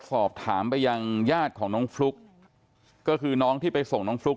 สอบถามไปยังญาติของน้องฟลุ๊กก็คือน้องที่ไปส่งน้องฟลุ๊ก